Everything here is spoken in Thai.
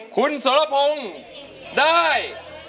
คุณสรพงศ์ได้